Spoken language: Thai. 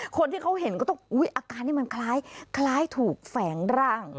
คนที่เขาเห็นก็ต้องอาการนี่มันคล้ายถูกแฝงร่าง